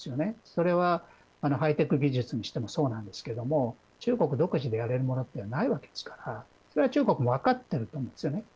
それは、ハイテク技術にしてもそうなんですけども中国独自でやれるものではないわけですからそれは、中国も分かってると思うんですよね。